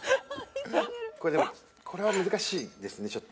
これでもこれは難しいですねちょっと。